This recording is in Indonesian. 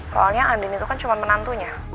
soalnya andin itu kan cuma menantunya